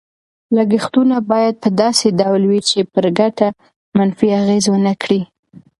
لګښتونه باید په داسې ډول وي چې پر ګټه منفي اغېز ونه کړي.